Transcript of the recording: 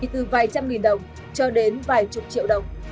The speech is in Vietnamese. từ vài trăm nghìn đồng cho đến vài chục triệu đồng